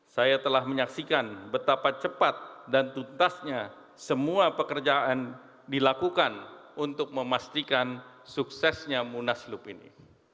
saya telah menyaksikan betapa cepat dan tuntasnya semua pekerjaan dilakukan untuk memastikan suksesnya munaslup ini